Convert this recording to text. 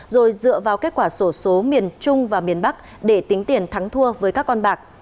rồi dựa vào kết quả sổ số miền trung và miền bắc để tính tiền thắng thua với các con bạc